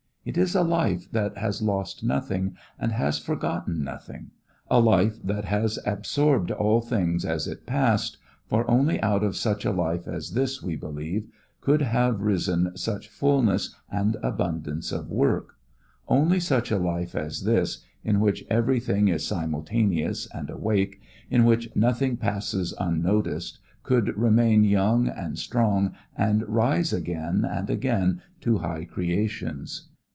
It is a life that has lost nothing and has forgotten nothing; a life that has absorbed all things as it passed, for only out of such a life as this, we believe, could have risen such fulness and abundance of work; only such a life as this, in which everything is simultaneous and awake, in which nothing passes unnoticed, could remain young and strong and rise again and again to high creations.